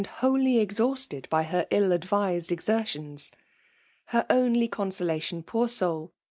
wholly. exhausted by her ill advised exer tions I Her only consolation, poor soul